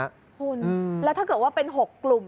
คุณแล้วถ้าเกิดว่าเป็น๖กลุ่ม